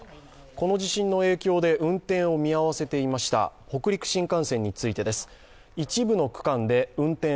この地震の影響で運転を見合わせていました北陸新幹線についてです。